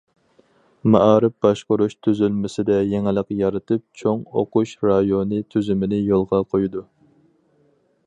مائارىپ باشقۇرۇش تۈزۈلمىسىدە يېڭىلىق يارىتىپ، چوڭ ئوقۇش رايونى تۈزۈمىنى يولغا قويىدۇ.